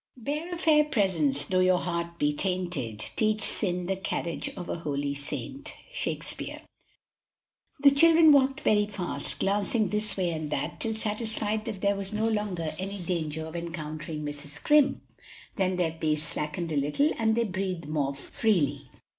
"Bear a fair presence, though your heart be tainted, Teach sin the carriage of a holy saint." Shaks. The children walked very fast, glancing this way and that till satisfied that there was no longer any danger of encountering Mrs. Scrimp, then their pace slackened a little and they breathed more freely.